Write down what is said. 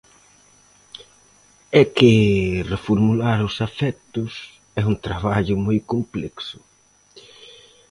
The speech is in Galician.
É que reformular os afectos é un traballo moi complexo.